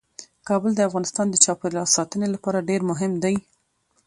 کابل د افغانستان د چاپیریال ساتنې لپاره ډیر مهم دی.